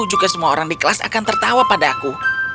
juga semua orang di kelas akan tertawa padaku